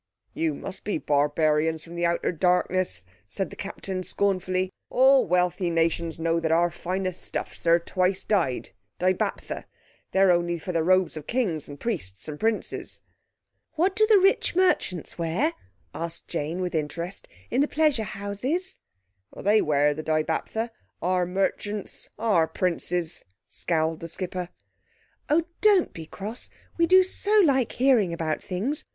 "You must be barbarians from the outer darkness," said the Captain scornfully. "All wealthy nations know that our finest stuffs are twice dyed—dibaptha. They're only for the robes of kings and priests and princes." "What do the rich merchants wear," asked Jane, with interest, "in the pleasure houses?" "They wear the dibaptha. Our merchants are princes," scowled the skipper. "Oh, don't be cross, we do so like hearing about things.